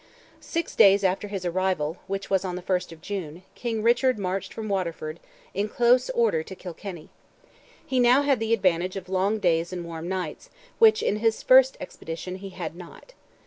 Six days after his arrival, which was on the 1st of June, King Richard marched from Waterford "in close order to Kilkenny." He had now the advantage of long days and warm nights, which in his first expedition he had not.